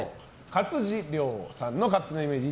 勝地涼さんの勝手なイメージ。